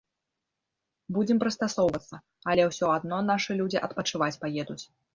Будзем прыстасоўвацца, але ўсё адно нашы людзі адпачываць паедуць.